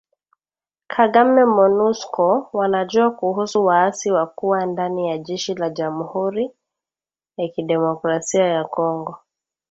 Kagame Monusco wanajua kuhusu waasi wa kuwa ndani ya jeshi la jamhuri ya kidemokrasia ya Kongo